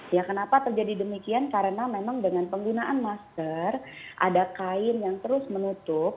ya kenapa terjadi demikian karena memang dengan penggunaan masker ada kain yang terus menutup